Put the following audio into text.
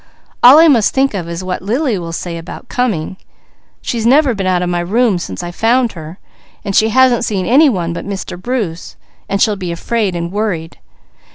All I must think of is what Lily will say about coming. She's never been out of my room since I found her, and she hasn't seen any one but Mr. Bruce, so she'll be afraid, and worried.